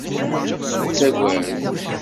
Nettagad.